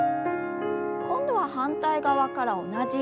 今度は反対側から同じように。